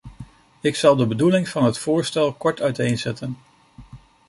Ik zal de bedoeling van het voorstel kort uiteenzetten.